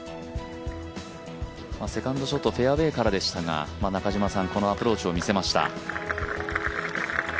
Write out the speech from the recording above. セカンドショット、フェアウエーからでしたがこのアプローチを見せました。